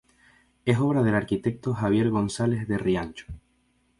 Es obra del arquitecto Javier González de Riancho.